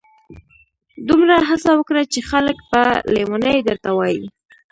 دومره هڅه وکړه چي خلک په لیوني درته ووایي.